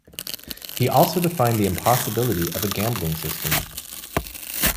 He also defined the impossibility of a gambling system.